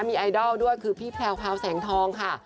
มีไอดอลด้วยคือพี่แพรวแสงทองค่ะ